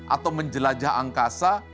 atau menjelajah angkasa